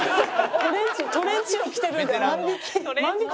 トレンチを着てるんで万引き。